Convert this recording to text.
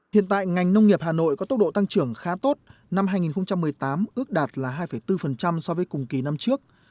hiện tại ngành nông nghiệp hà nội có tốc độ tăng trưởng khá tốt năm hai nghìn một mươi tám ước đạt là hai bốn so với cùng kỳ năm trước